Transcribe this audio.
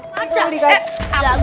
ini sendiri guys